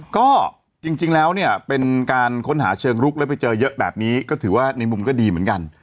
ก็จริงแล้วเนี่ยเป็นการค้นหาเชิงลุกแล้วไปเจอเยอะแบบนี้ก็ถือว่าในมุมก็ดีเหมือนกัน